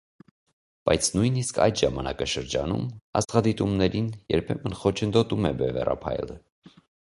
Բայց նույնիսկ այդ ժամանակաշրջանում աստղադիտումներին երբեմն խոչընդոտում է Բևեռափայլը։